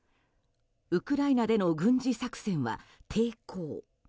ウクライナでの軍事作戦は抵抗。